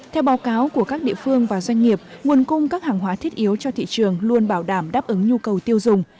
theo báo cáo của các địa phương và doanh nghiệp nguồn cung các hàng hóa thiết yếu cho thị trường luôn bảo đảm đáp ứng nhu cầu tiêu dùng